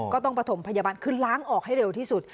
ก็ต้องประถมพยาบาลคือล้างออกให้เร็วที่สุด